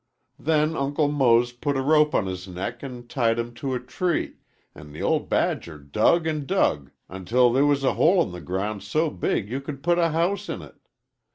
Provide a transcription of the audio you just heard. Then Uncle Mose put a rope on his neck an' tied him to a tree, an' the ol' badger dug an' dug until they was a hole in the ground so big you could put a house in it.